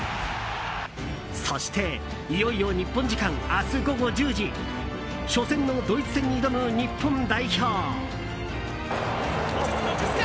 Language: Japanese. そしていよいよ日本時間、明日午後１０時初戦のドイツ戦に挑む日本代表。